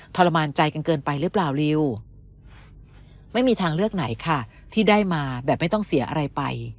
ทรมานใจกันเกินไปหรือเปล่าริวไม่มีทางเลือกไหนค่ะที่ได้มาแบบไม่ต้องเสียอะไรไป